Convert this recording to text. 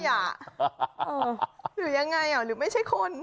ใช่หรือยังไงรึไม่ใช่คน